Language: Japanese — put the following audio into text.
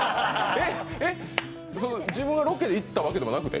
えっ、自分がロケで行ったわけでもなくて？